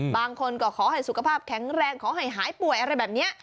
บางคนก็ขอให้สุขภาพแข็งแรงขอให้หายป่วยอะไรแบบนี้